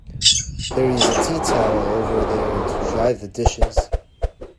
There is a tea towel over there to dry the dishes